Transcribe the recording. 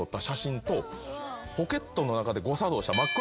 ポケットの中で誤作動した。